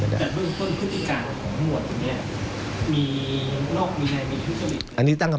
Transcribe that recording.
กรรมรถสามารถเอาส่วน